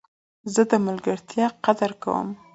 زه د ملګرتیا قدر کوم.